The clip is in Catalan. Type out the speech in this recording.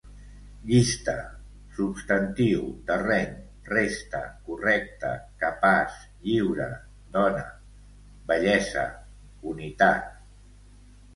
Llista: substantiu, terreny, resta, correcta, capaç, lliura, done, bellesa, unitat